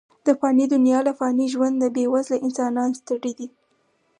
د فاني دنیا له فاني ژونده، بې وزله انسانان ستړي دي.